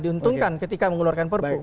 diuntungkan ketika mengeluarkan perpu